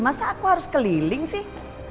masa aku harus keliling sih